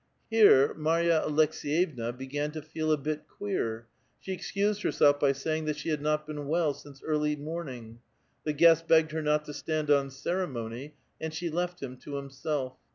Here Marya Aleks6yevua began to feel a bit queer ; she excused herself by saying that she had not been well since early morning ; the guest begged her not to stand on ceremony and she left him to himself.